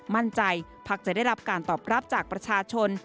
มั่นใจพักจะได้รับการตอบรับจากประชาชน